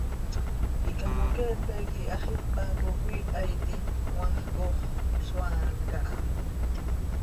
Icamoqueepe quih hax ipac oo cöiiha iti, cmaax coox cösoaan caha.